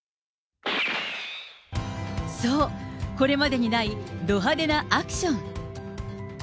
そう、これまでにないど派手なアクション。